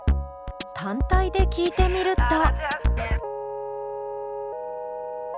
単体で聴いてみると。